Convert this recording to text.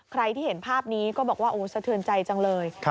ใครที่เห็นภาพนี้ก็บอกว่าโอ้สะเทือนใจจังเลย